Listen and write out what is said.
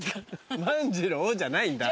「万次郎」じゃないんだ。